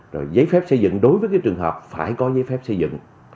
rồi giấy phép xây dựng đối với cái trường hợp phải có giấy phép xây dựng